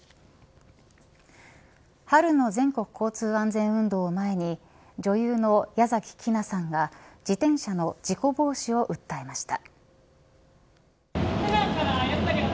春の全国交通安全運動を前に女優の矢崎希菜さんが自転車の事故防止を訴えました。